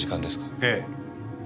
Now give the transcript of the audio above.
ええ。